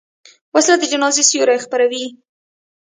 وسله د جنازې سیوري خپروي